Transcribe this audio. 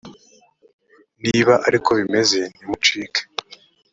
niba ari ko bimeze ntimucike